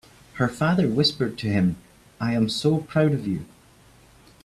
Her father whispered to him, "I am so proud of you!"